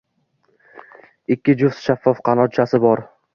Ikki juft shaffof qanotchasi bor.